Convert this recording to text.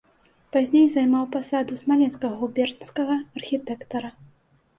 Пазней займаў пасаду смаленскага губернскага архітэктара.